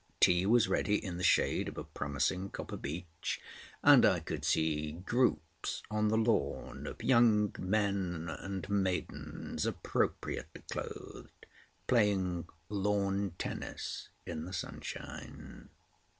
Tea was ready in the shade of a promising copper beech, and I could see groups on the lawn of young men and maidens appropriately clothed, playing lawn tennis in the sunshine.